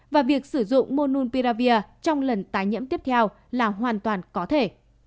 và việc sử dụng mononpiravir trong lần tái nhiễm tiếp theo là hoàn toàn có thể